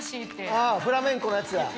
ああフラメンコのやつや。